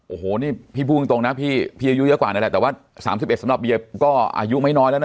โอ้โหนี่พี่พูดตรงนะพี่อายุเยอะกว่านั่นแหละแต่ว่า๓๑สำหรับเบียร์ก็อายุไม่น้อยแล้วนะ